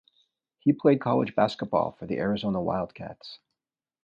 He played college basketball for the Arizona Wildcats.